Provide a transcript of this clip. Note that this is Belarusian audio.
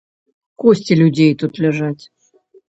Косці людзей тут ляжаць.